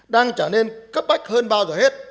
đang trở nên cấp bách hơn bao giờ hết